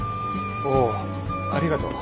おおありがとう。